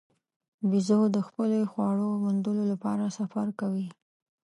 بیزو د خپلې خواړو موندلو لپاره سفر کوي.